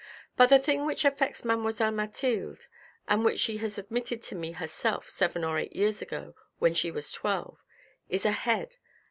" But the thing which affects mademoiselle Mathilde, and what she has admitted to me herself seven or eight years ago when she was twelve, is a head